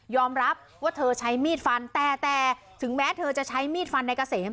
รับว่าเธอใช้มีดฟันแต่แต่ถึงแม้เธอจะใช้มีดฟันในเกษม